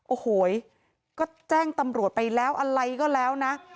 โอ้โหก็แจ้งตำรวจไปแล้วอะไรก็แล้วนะ